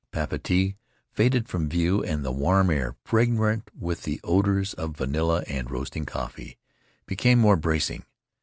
Papeete faded from view, and the warm air, fragrant with the odors of vanilla and roasting coffee, became more bracing.